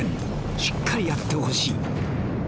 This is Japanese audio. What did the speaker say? しっかりやってほしい